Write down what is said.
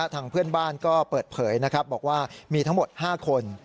ทางเพื่อนบ้านก็เปิดเผยนะครับบอกว่ามีทั้งหมด๕คน